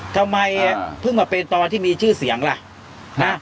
ทำไมเพิ่งมาเป็นตอนที่มีชื่อเสียงล่ะนะ